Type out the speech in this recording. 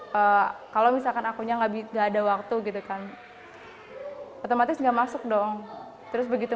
hai kalau misalkan akunya nggak bisa ada waktu gitu kan otomatis enggak masuk dong terus begitu